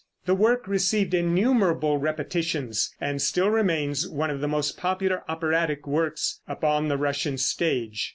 The work received innumerable repetitions and still remains one of the most popular operatic works upon the Russian stage.